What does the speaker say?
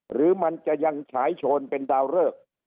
หรือมันจะยังฉายโชนเป็นดาวเริก